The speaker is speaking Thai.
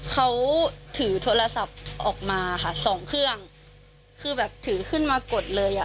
เขาถือโทรศัพท์ออกมาค่ะสองเครื่องคือแบบถือขึ้นมากดเลยอ่ะ